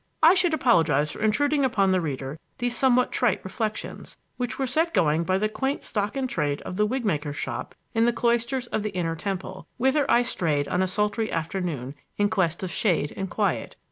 I should apologize for intruding upon the reader these somewhat trite reflections; which were set going by the quaint stock in trade of the wig maker's shop in the cloisters of the Inner Temple, whither I strayed on a sultry afternoon in quest of shade and quiet.